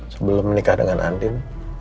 sebelum menikah dengan andin